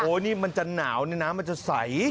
นี่มันจะหนาวนี่น้ำมันจะใส